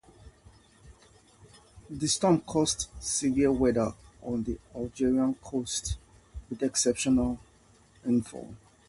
The storm caused severe weather on the Algerian coast with exceptional rainfall.